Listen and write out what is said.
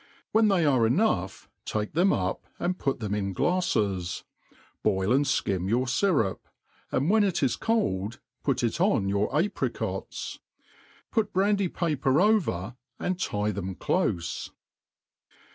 When they are enough, take them up, and put them in glaffcs. Boil and (kirn your fyrup ; and when it is cold, put it on your apricpts. Put brandy paper over, and tie them clofc.